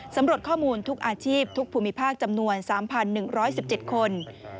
สำรวจข้อมูลทุกอาชีพทุกภูมิภาคจำนวน๓๑๑๗คน